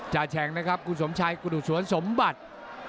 จะแชงนะครับคุณสมชัยกุฑูสวรรค์สมบัติ